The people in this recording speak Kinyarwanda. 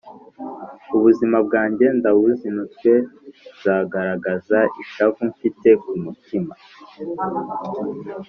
ubuzima bwanjye ndabuzinutswe, nzagaragaza ishavu mfite ku mutima